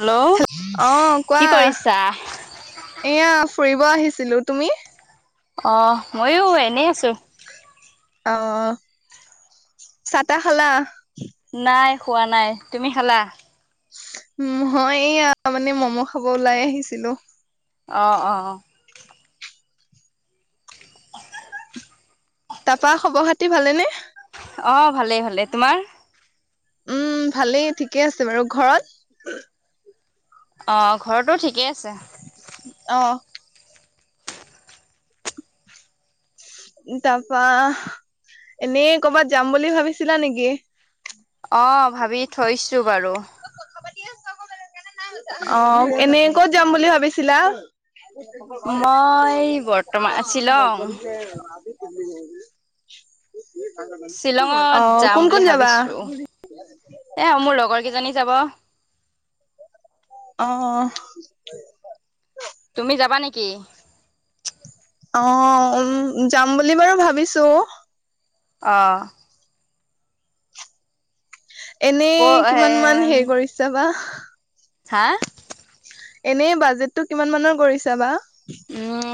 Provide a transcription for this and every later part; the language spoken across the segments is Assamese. হেল্ল' অ কোৱা কি কৰিছা? এয়া ফুৰিব আহিছিলো তুমি অ মইয়ো এনেই আছো অ চাহ তা খালা নাই খোৱা নাই তুমি খালা উ মই এইয়া মানে মম' খাব ওলাই আহিছিলো অ অ তাৰপা খবৰ খাতি ভালেনে অ ভালেই ভালে তোমাৰ উম ভালেই ঠিকে আছে বাৰু ঘৰত অ ঘৰতো ঠিকেই আছে অহ তাৰাপা এনেই কৰ'বাত যাম বুলি ভাবিছিলা নেকি অ ভাবি থৈছো বাৰু অ এনে ক'ত যাম বুলি ভাবিছিলা মই বৰ্তমান শ্বিলং [unintelligible] শ্বিলঙত অ যাম কোন বুলি কোন যাবা ভাবিছো। এ মোৰ লগৰ কিজনী যাব অ তুমি যাবা নেকি অ উ যাম বুলি বাৰু ভাবিছো অ ক এনেই এ কিমান মান হেৰি কৰিছা বা হা এনেই বাজেটো কিমান মানৰ কৰিছা বা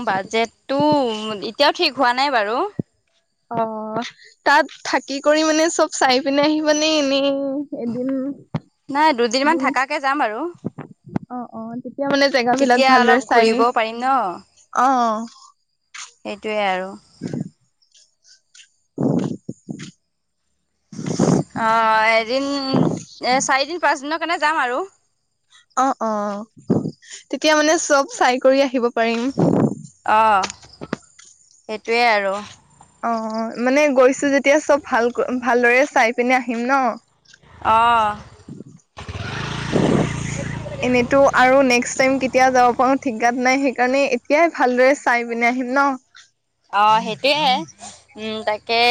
বাজেটো এতিয়াও ঠিক হোৱা নাই বাৰু অ তাত থাকি কৰি মানে চব চাই পিনে আহি মানে এনেই এদিন নাই দুদিন মান দিন থাকাকে যাম আৰু অ অ তেতিয়া মানে জেগা বিলাক তেতিয়া অলপ ভালদৰে চাই ঘূৰিবও পাৰিম ন অ সেইটোৱে আৰু। [unintelligible] অ' এদিন, এ চাৰিদিন পাঁচদিনৰ কাৰণে যাম আৰু। অ', অ' তেতিয়া মানে চব চাই কৰি আহিব পাৰিম। অ' সেইটোৱে আৰু। অ', অ' মানে গৈছো যেতিয়া, চব ভালকৈ ভালদৰে চাই পিনে আহিম ন'। অ'। এনেটো আৰু নেক্সট টাইম কেতিয়া যাব পাৰো ঠিকাত নাই, সেইকাৰণে এতিয়াই ভালদৰে চাই পিনে আহিম ন। অ' সেইটোয়ে উম তাকে।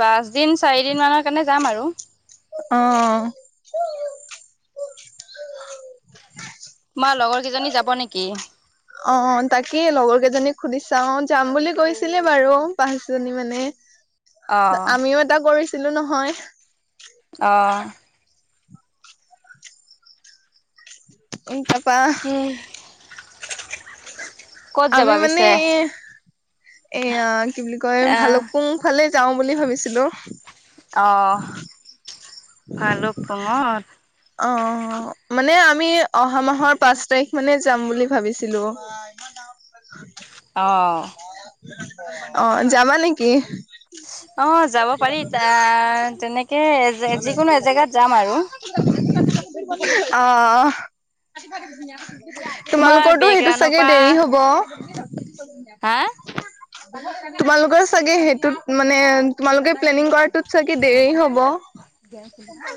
পাঁচ দিন, চাৰি দিন মানৰ কাৰণে যাম আৰু। অ', অ'। তোমাৰ লগৰ কেইজনী যাব নেকি? অ' তাকেই লগৰ কেইজনীক সুধি চাও যাম বুলি কৈছিলে বাৰু পাঁচজনী মানে। অ' আমিও এটা কৰিছিলো নহয়। অহ। উ পাপা। উম। আমি মানে এ এয়া কি বুলি কয় আহ ভালুকপুং ফালে যাওঁ বুলি ভাবিছিলো। অহ' ভালুকপুংত। অহ' মানে আমি অহা মাহৰ পাঁচ তাৰিখ মানে যাম বুলি ভাবিছিলো। [unintelligible] অহ। অহ' যাবা নেকি? অহ' যাব পাৰি, তাত যেনেকে এ যিকোনো এজেগাত যাম আৰু। অহ', অহ'। তোমাৰ তোমালোকৰটো সেইটো বেকগ্ৰাউণ্ডৰ চাগে পৰা দেৰি হ'ব। হা তোমালোকৰ চাগে সেইটোত মানে, তোমালোকে প্লেনিং কৰাটোত চাগে দেৰি হ'ব। [unintelligible]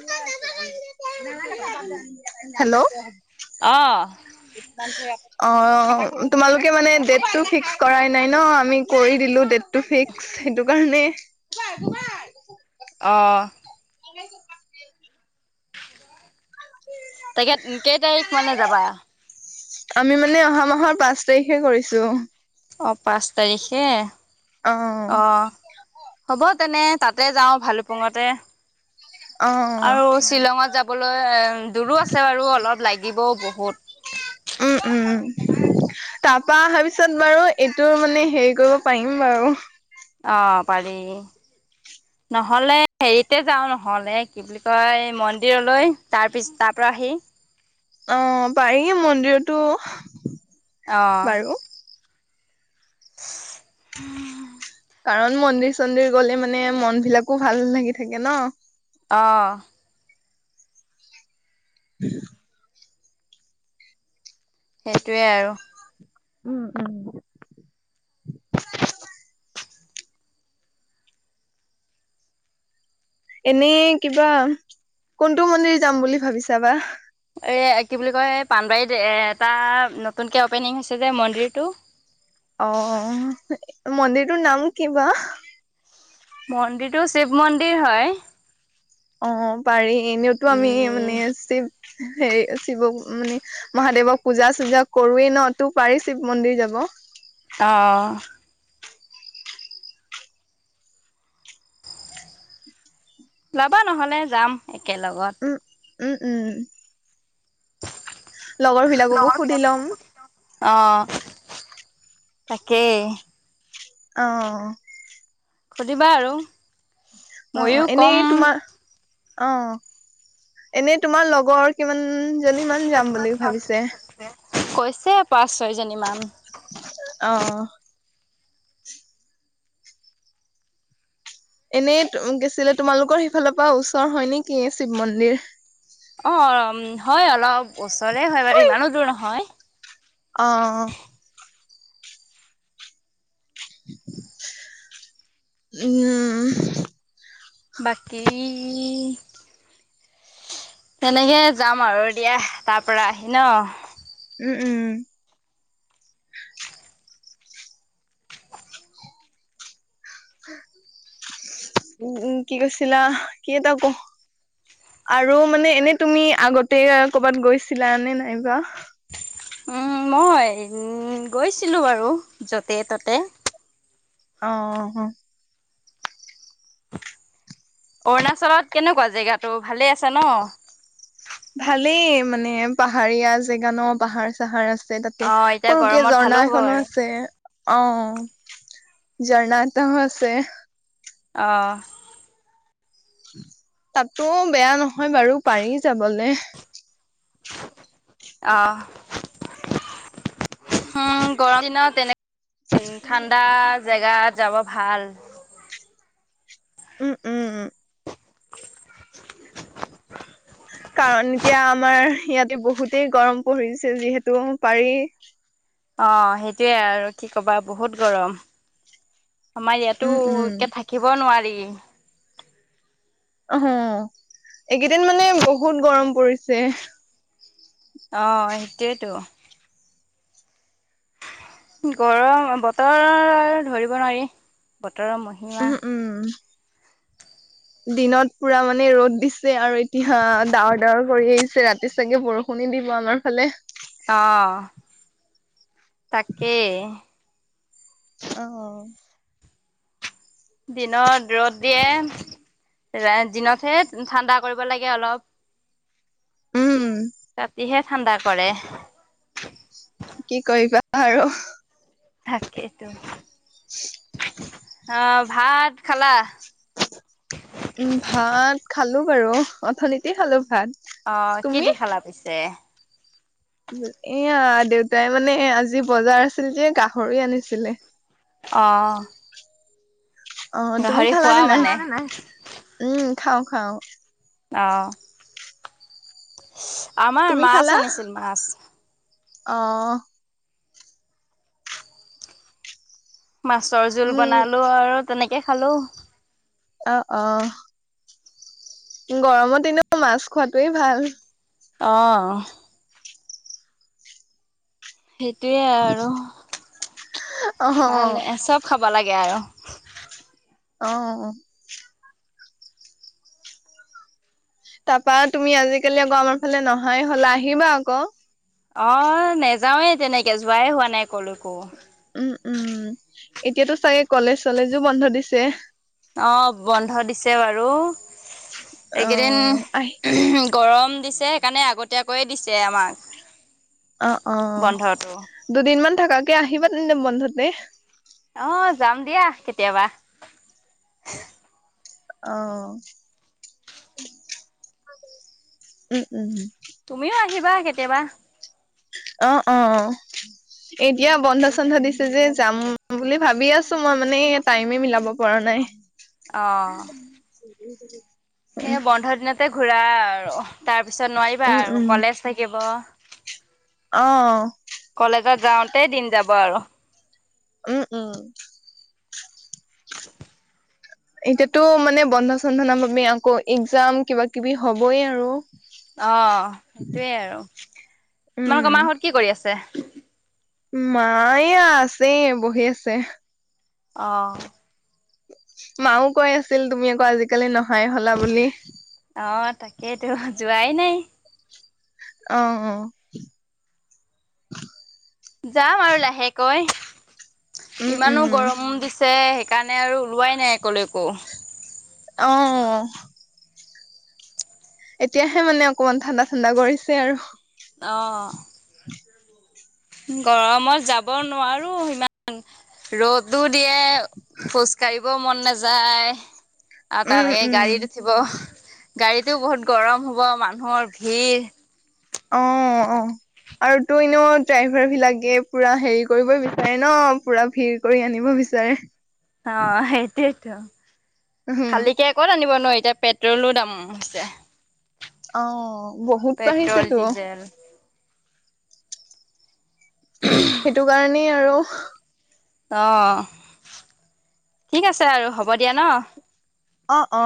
হেল্ল'! অহ'। অ' তোমালোকে মানে দেটটো ফিক্স কৰাই নাই ন', আমি কৰি দিলো দেটটো ফিক্স। সেইটো কাৰণে অহ'। [unintelligible] [unintelligible] তাকে কেই তাৰিখ মানে যাবা? আমি মানে অহা মাহৰ পাঁচ তাৰিখে কৰিছো। অহ' পাঁচ তাৰিখে অ অহ'। হ'ব তেনে তাতে যাওঁ ভালুকপুঙতে অ আৰু শ্বিলঙত যাব লৈ দূৰো আছে বাৰু অলপ লাগিবও বহুত। উম, উম, উম। তাৰ পৰা অহাৰ পিছত বাৰু এইটো মানে হেৰি কৰিব পাৰিম বাৰু। অঁ' পাৰি নহলে হেৰিতে যাও নহ'লে কি- বুলি কয় মন্দিৰলৈ তাৰপিছ তাৰপৰা আহি- অঁ' পাৰি মন্দিৰতো। অঁ' বাৰু উম' কাৰণ মন্দিৰ চন্দিৰ গলে মেনে মন বিলাকো ভাল লাগি থাকে ন। অঁ' [inaudible] সেইটোৱে আৰু। উম উম' এনেই কিবা কোনটো মন্দিৰ যাম বুলি ভাবিছাবা? এই কি বুলি কয় পানবাৰীত এটা নতুনকে অ'পেনিং হৈছে যে মন্দিৰটো। অঁ মন্দিৰটোৰ নাম কিবাও? মন্দিৰটো শিৱ মন্দিৰ হয়। অঁ' পাৰি এনেওতো আমি মানে উম শিৱ হেৰি শিৱক মানে- মহাদেৱক পূজা চূজা কৰোৱেই ন তোৰ পাৰি শিৱ মন্দিৰ যাব। অঁ' ওলবা নহলে যাম একেলগত। উম, উম উম'। লগৰবিলাককো সুধি ল'ম। অঁ তাকে। অঁ' সুধিবা আৰু। অঁ অঁ, ময়ো কম এনেই তোমাৰ- অঁ' এনেই তোমাৰ লগৰ কিমান- জনী মান যাম বুলি ভাবিছে? কৈছে পাঁচ ছয় জনী মান। অঁ অঁ। এনেই টো কি আছিলে, তোমালোকৰ সেইফালৰ পৰা ওচৰ হয় নেকি, শিৱ মন্দিৰ? অঁ' হয় অলপ ওচৰে হয় বাৰু ইমানো দূৰ নহয়। অঁ অঁ'। উম' বাকী- তেনেকে যাম আৰু দিয়া, তাৰ পৰা আহি ন। উম উম' উম উম' কি কৈছিলা, কি এটা ক- আৰু মানে এনেই তুমি আগতে কৰ'বাত গৈছিলা নে নাইবা? উম, মই উম গৈছিলো বাৰু যতে-ততে। অঁ অঁ অঁ'। অৰুণাচলত কেনেকুৱা জেগাটো ভালেই আছে ন'। ভালেই মানে পাহাৰীয়া জেগা ন, পাহাৰ-চাহাৰ আছে। আছে তাতে অ' এতিয়া সৰুকে গৰমত ভালো ঝৰ্ণা হ'ব এখনো বাৰু আছে। অঁ' ঝৰ্ণা এটাও আছে। অ' তাতো বেয়া নহয় বাৰু পাৰি যাবলে। অহ' উম গৰম দিনত তেনে- [inaudible] ঠাণ্ডা জেগাত যাব ভাল। উম উম উম কাৰণ এতিয়া আমাৰ, ইয়াতে বহুতেই গৰম পৰি়ছে, যিহেতু পাৰি। অ' সেইটোৱে আৰু কি ক'বা বহুত গৰম আমাৰ ইয়াতো উম উম একে থা। কিব নোৱাৰি। অহ, এইকেইদিন মানে বহুত গৰম পৰিছে। অ' সেইটোয়েটো। গৰম, বতৰৰ ধৰিব নোৱাৰি, বতৰৰ মহি। উহু, উম। [unintelligible] দিনত পুৰা মানে ৰ'দ দিছে আৰু এতিয়া ডাৱৰ, ডাৱৰ কৰি আহিছে, ৰাতি চাগে বৰ। ষুণে দিব আমাৰ ফালে। অহ'। তাকে। অ'। দিনত ৰ'দ দিয়ে, ৰায় দিনতহে ঠাণ্ডা কৰিব লাগে অলপ। উম। ৰাতিহে ঠাণ্ডা কৰে। কি কৰিবা, আৰু। থাকেটো। [unintelligible] অ' ভাত খালা। উম, ভাত খালো বাৰু অথনিতে খালো ভাত। অ' কি তুমি দি খালা পিছে। এয়া দেউতাই মানে আজি বজাৰ আছিল যে গাহৰি আনিছিলে। অ। অ তুমি গাহৰি খোৱা খালানে নাই মানে উম খাও খাও। অঁ। আমাৰ তুমি মাছ আনিছিল মাছ। অঁহ। মাছৰ জোল উম বনালো আৰু তেনেকে খালো। অ অ। গৰমৰ দিনত মাছ খোৱাটোৱেই ভাল। অ। সেইটোৱে আৰু অ খালে চব খাব লাগে আৰু। অ। তাপা তুমি আজিকালি আকৌ আমাৰ ফালে নহাই হলে আহিবা আকৌ। অ, নেযাওৱে তেনেকে যোৱাই হোৱা নাই, ক'লৈকো। উম, উম এতিয়াটো চাগে কলেজ-চলেজো বন্ধ দিছে। অ' বন্ধ দিছে বাৰু অ এইকেইদিন। আহ [inaudible] গৰম দিছে সেইকাৰণে আগতীয়াকৈয়ে দিছে আমাক। অ অ বন্ধটো দুদিনমান থকাকে আহিবা তেন্তে বন্ধতে। অ যাম দিয়া কেতিয়াবা। অ। উম উম। তুমিও আহিবা কেতিয়াবা। অ অ অ এতিয়া বন্ধ চন্ধ দিছে যে যাম বুলি ভাবি আছো মই মানে টাইমে মিলাব পৰা নাই [inaudible] [inaudible] সেই বন্ধ দিনতে ঘূৰা আৰু তাৰ পিছত নোৱাৰিবা উম আৰু উম কলেজ থাকিব অ কলেজত যাওঁতে দিন যাব আৰু উম উম এতিয়াতো মানে বন্ধ চন্ধ ন বাবে আমি আকৌ একজাম কিবা কিবি হবই আৰু অ সেইটোৱে আৰু উম। তোমালোকৰ মাঁহত কি কৰি আছে মা এইয়া আছে বহি আছে অ মাও কৈ আছিল তুমি আকৌ আজিকালি নহাই হলা বুলি অ তাকেইতো যোৱাই নাই অ অ যাম আৰু লাহেকৈ উম উম। ইমানো গৰম দিছে সেইকাৰণে আৰু ওলোৱাই নাই কলৈকো অহ এতিয়াহে মানে অকমান ঠাণ্ডা ঠাণ্ডা কৰিছে আৰু অ গৰমত যাব নোৱাৰো ইমান ৰ'দো দিয়ে খোজ কাঢ়িব মন নাযায় আৰু উম তাৰলৈকে উম গাড়ীত উঠিব গাড়ীটোও বহুত গৰম হ'ব মানুহৰ ভিৰ অ অ আৰু তোৰ এনেও ড্ৰাইভাৰ বিলাকে পুৰা হেৰি কৰিব বিচাৰে ন পুৰা ভিৰ কৰি আনিব বিচাৰে অ সেইটোয়েইতো উম খালীকে ক'ত আনিব নো এতিয়া পেট্ৰলো দাম হৈছে অ বহুত পেট্ৰল বাঢ়িছেতো ডিজেল সেইটো কাৰণেই আৰু অ ঠিক আছে আৰু হ'ব দিয়া ন অ অ।